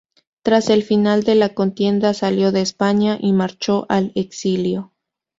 Tras el final de la contienda salió de España y marchó al exilio.